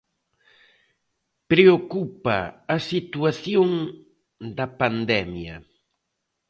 Preocupa a situación da pandemia.